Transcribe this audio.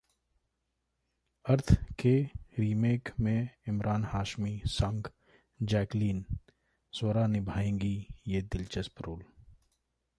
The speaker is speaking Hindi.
अर्थ के रीमेक में इमरान हाशमी संग जैकलीन-स्वरा निभाएंगी ये दिलचस्प रोल